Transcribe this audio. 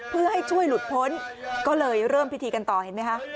เพื่อให้ช่วยหลุดพ้นก็เลยเริ่มพิธีกันต่อเห็นไหมคะ